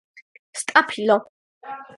სტაფილო